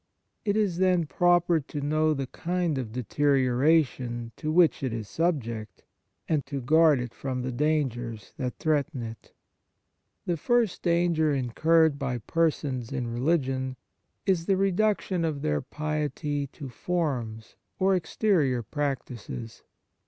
It is, then, proper to know the kind of deterioration to which it is sub ject, and to guard it from the dangers that threaten it. The first danger incurred by persons in religion is the reduction of their piety to forms or exterior practices.